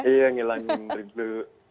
iya menghilangkan rindu